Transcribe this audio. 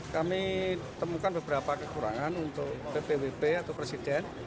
kami temukan beberapa kekurangan untuk ppwp atau presiden